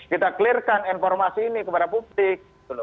kita clear kan informasi ini kepada publik